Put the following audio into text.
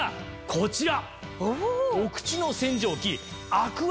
こちら。